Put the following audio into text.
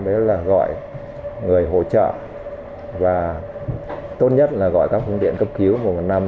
đấy là gọi người hỗ trợ và tốt nhất là gọi các khung điện cấp cứu một năm